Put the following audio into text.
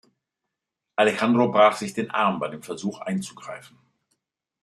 Alejandro brach sich den Arm bei dem Versuch einzugreifen.